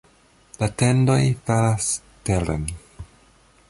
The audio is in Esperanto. La tendoj falas teren.